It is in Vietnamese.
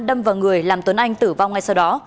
đâm vào người làm tuấn anh tử vong ngay sau đó